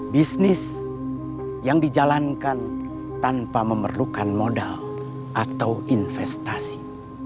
bisnis yang dijalankan tanpa memerlukan modal atau investasi